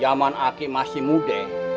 jaman aki masih muda